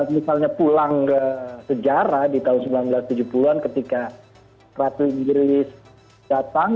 misalnya pulang ke sejarah di tahun seribu sembilan ratus tujuh puluh an ketika ratu inggris datang